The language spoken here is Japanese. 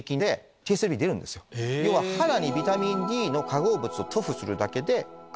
肌にビタミンＤの化合物を塗布するだけで脂を出す。